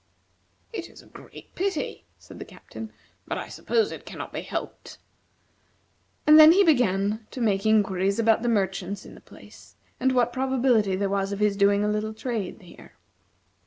"It is a great pity," said the Captain; "but I suppose it cannot be helped." And then he began to make inquiries about the merchants in the place, and what probability there was of his doing a little trade here.